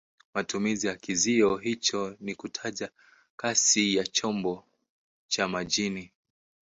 Matumizi ya kizio hicho ni kutaja kasi ya chombo cha majini.